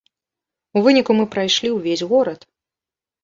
У выніку мы прайшлі ўвесь горад.